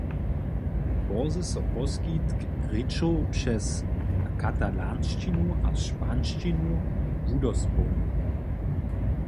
Bórze so poskitk rěčow přez katalanšćinu a španišćinu wudospołni.